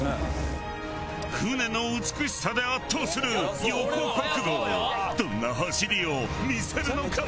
舟の美しさで圧倒する横国号でどんな走りを見せるのか！？